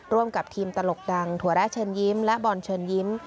ร่วมกับทีมตลกดังถั่วแร่เชิญยิ้มและบอลเชิญยิ้ม